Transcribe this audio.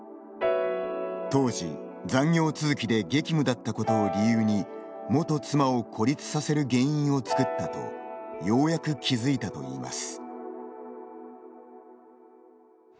当時、残業続きで激務だったことを理由に元妻を孤立させる原因を作ったとようやく気付いたといいます。